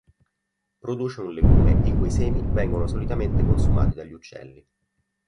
Produce un legume i cui semi vengono solitamente consumati dagli uccelli.